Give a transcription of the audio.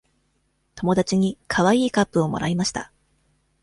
友達にかわいいカップをもらいました。